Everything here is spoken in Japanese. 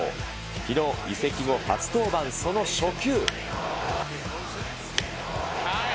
きのう、移籍後初登板、その初球。